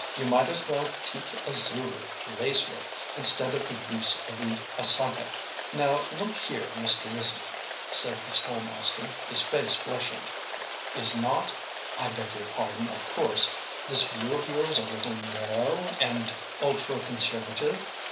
You might as well teach a Zulu lace work, instead of the use of the assagai." "Now look here, Mr. Risley," said the school master, his face flushing, "is not I beg your pardon, of course this view of yours a little narrow and ultra conservative?